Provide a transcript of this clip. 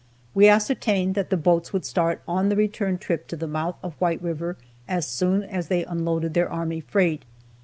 We ascertained that the boats would start on the return trip to the mouth of White river as soon as they unloaded their army freight.